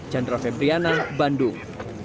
jendrofe briana bandung